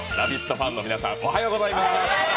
ファンの皆さん、おはようございます。